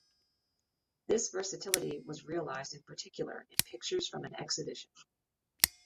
This versatility was realized in particular in “Pictures from an Exhibition”.